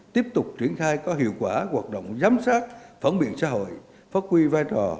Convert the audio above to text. tiếp tục triển khai có hiệu quả hoạt động giám sát phản biện xã hội phát huy vai trò